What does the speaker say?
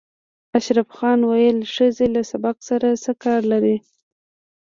اشرف خان ویل ښځې له سبق سره څه کار لري